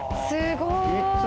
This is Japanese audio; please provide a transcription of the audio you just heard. すごーい！